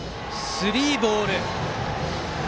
スリーボール。